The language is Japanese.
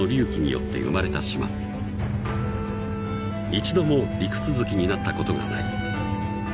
［一度も陸続きになったことがない］